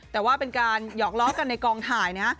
แต่ว่าเป็นการหยอกล้อกันในกองถ่ายนะ